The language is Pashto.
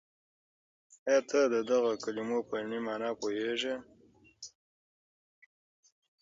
ایا ته د دغو کلمو په علمي مانا پوهیږې؟